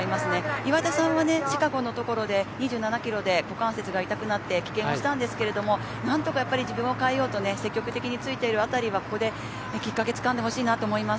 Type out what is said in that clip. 岩出さんはシカゴのところで２７キロで股関節が痛くなって棄権をしたんですけれども何とかやっぱり自分を変えようと積極的についている辺りはここできっかけつかんでほしいなと思います。